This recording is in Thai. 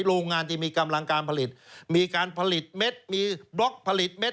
โรงงานที่มีกำลังการผลิตมีการผลิตเม็ดมีบล็อกผลิตเม็ด